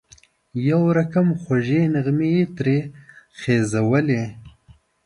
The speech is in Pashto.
یو رقم خوږې نغمې یې ترې خېژولې.